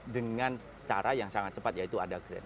dengan cara yang sangat cepat yaitu ada grand